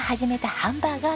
ハンバーガー。